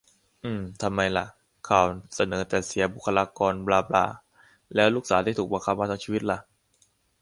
อืม ทำไมล่ะ ข่าวเสนอแต่เสียบุคลากรบลาบลา แล้วลูกสาวที่ถูกบังคับมาทั้งชีวิตล่ะ